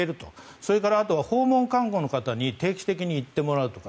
それからあとは訪問看護の方に定期的に行ってもらうとか